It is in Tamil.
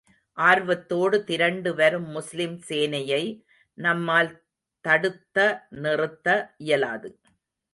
ஆர்வத்தோடு திரண்டு வரும் முஸ்லிம் சேனையை, நம்மால் தடுத்த நிறுத்த இயலாது.